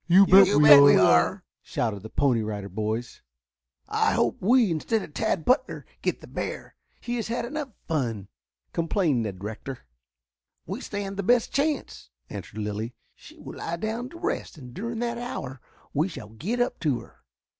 "You bet we are!" shouted the Pony Rider Boys. "I hope we, instead of Tad Butler, get the bear. He has had enough fun," complained Ned Rector. "We stand the best chance," answered Lilly. "She will lie down to rest, and during that hour we shall get up to her."